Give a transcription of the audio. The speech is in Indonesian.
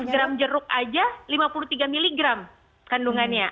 seratus gram jeruk aja lima puluh tiga mg kandungannya